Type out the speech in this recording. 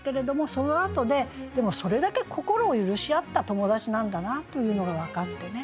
そのあとででもそれだけ心を許し合った友達なんだなというのが分かってね。